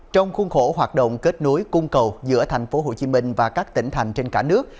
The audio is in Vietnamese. trong khuôn khổ hoạt động kết nối cung cầu giữa tp hcm và các tỉnh thành trên cả nước